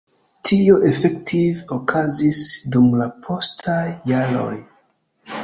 Tio efektive okazis dum la postaj jaroj.